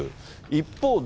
一方で、